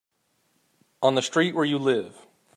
On the street where you live.